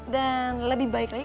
dan lebih baik lagi